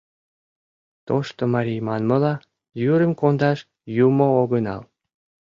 Тошто марий манмыла, йӱрым кондаш юмо огынал.